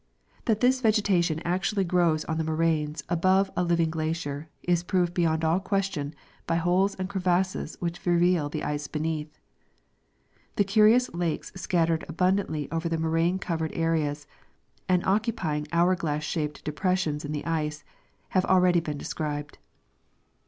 That this vegetation actually grows on the moraines above a liv ing glacier is proved beyond all question by holes and crevasses which reveal the ice beneath. The curious lakes scattered abun dantly over the moraine covered areas, and occupying hour glass shaped depressions in the ice, have already been described.